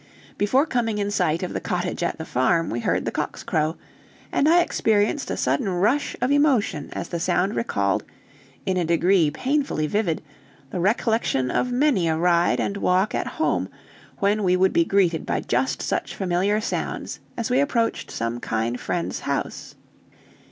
Before coming in sight of the cottage at the farm, we heard the cocks crow, and I experienced a sudden rush of emotion as the sound recalled, in a degree painfully vivid, the recollection of many a ride and walk at home, when we would be greeted by just such familiar sounds as we approached some kind friend's house.